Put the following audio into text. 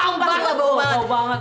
bau banget bau banget